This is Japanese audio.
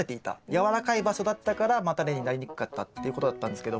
やわらかい場所だったから叉根になりにくかったっていうことだったんですけども。